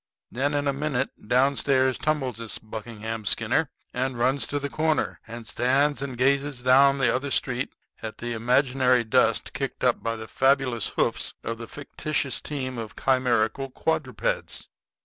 Then in a minute downstairs tumbles this Buckingham Skinner, and runs to the corner, and stands and gazes down the other street at the imaginary dust kicked up by the fabulous hoofs of the fictitious team of chimerical quadrupeds.